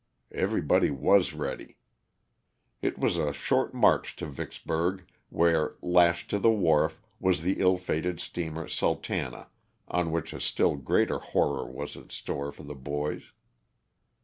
Everybody was ready. It was a short march to Vicksburg where, lashed to the wharf, was the ill fated steamer "Sultana," on which a still greater horror was in store for the boys.